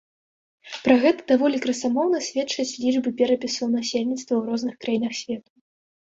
Пра гэта даволі красамоўна сведчаць лічбы перапісаў насельніцтва ў розных краінах свету.